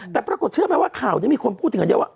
แต่ปรากฏเชื่อไหมว่าข่าวนี้มีคนพูดถึงกันเยอะว่า